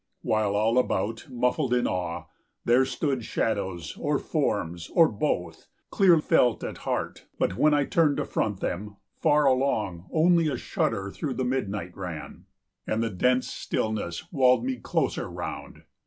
15 While all about, muffled in awe, there stood Shadows, or forms, or both, clear felt at heart, But, when I turned to front them, far along Only a shudder through the midnight ran, And the dense stillness walled me closer round.